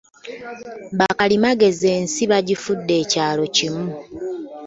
Bakalimagezi ensi bagifudde ekyalo kimu.